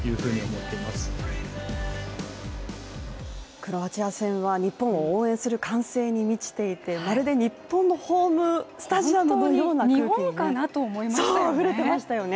クロアチア戦は日本を応援する歓声に満ちていてまるで日本のホームスタジアムのような雰囲気でしたよね。